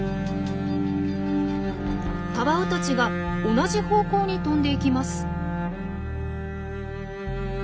カワウたちが同じ方向に飛んでいきます。